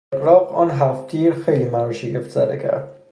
بیاغراق آن هفتتیر خیلی مرا شگفتزده کرد.